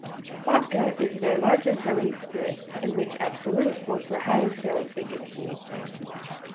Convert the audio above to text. Vodka is their largest selling spirit, in which Absolut holds the highest sales figures.